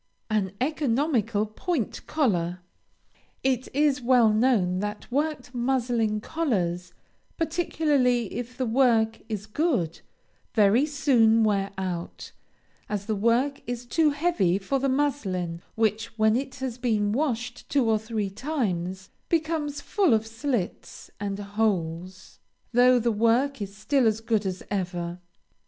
AN ECONOMICAL POINT COLLAR. It is well known that worked muslin collars, particularly if the work is good, very soon wear out; as the work is too heavy for the muslin, which, when it has been washed two or three times, becomes full of slits and holes, though the work is still as good as ever.